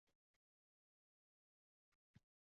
Bu so`zlarni o`qib jahlingiz chiqayotgandir